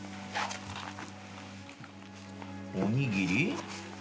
おにぎり？